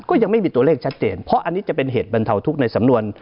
ก็ยังไม่มีตัวเลขชัดเจนเพราะอันนี้จะเป็นเหตุบรรเทาทุกข์ในสำนวน